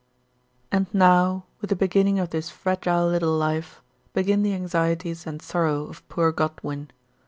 AND now with the beginning of this fragile little life begin the anxieties and sorrow of poor Godwin.